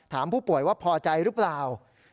ถามผู้ป่วยว่าพอใจหรือเปล่า